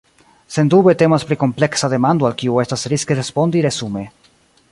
Sendube temas pri kompleksa demando al kiu estas riske respondi resume.